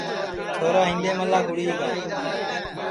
چھورا ہِینڈؔیملا گُڑی گا